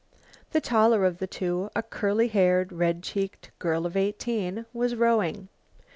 The taller of the two, a curly haired, red cheeked girl of eighteen, was rowing.